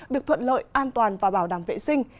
được thuận lợi an toàn và bảo đảm vệ sinh